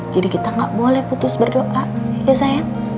jadi kita nggak boleh putus berdoa ya sayang